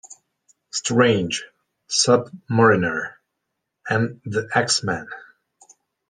Strange", "Sub-Mariner" and "The X-Men".